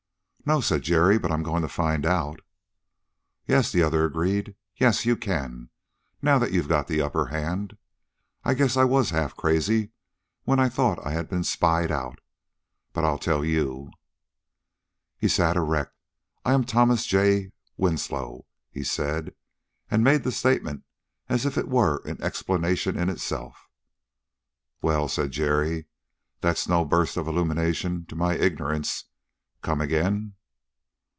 "No," said Jerry; "but I'm going to find out." "Yes," the other agreed. "Yes, you can, now that you've got the upper hand. I guess I was half crazy when I thought I had been spied out. But I'll tell you." He sat erect. "I am Thomas J. Winslow," he said, and made the statement as if it were an explanation in itself. "Well," said Jerry, "that's no burst of illumination to my ignorance. Come again."